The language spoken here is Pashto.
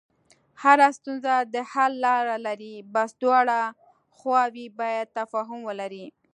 هره ستونزه د حل لاره لري، بس دواړه خواوې باید تفاهم ولري.